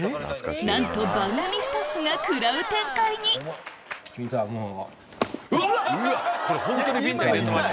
なんと番組スタッフが食らう展開に君とはもう。